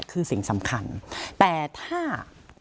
คือสิ่งสำคัญแต่ถ้า